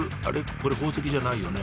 これ宝石じゃないよね